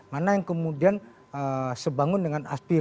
mana yang kemudian sebangun dengan aspir